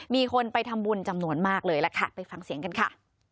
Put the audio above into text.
มีคนไปทำบุญจำนวนมากเลยล่ะค่ะไปฟังเสียงกันค่ะ